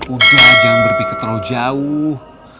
udah jangan berpikir terlalu jauh